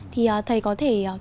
thì thầy có thể